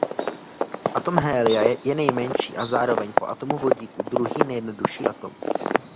Atom helia je nejmenší a zároveň po atomu vodíku druhý nejjednodušší atom.